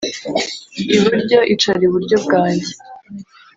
Iburyo icara iburyo bwanjye